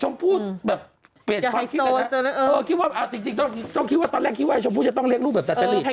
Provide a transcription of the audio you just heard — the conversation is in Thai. นึกว่าแบบชมพูทน์แบบ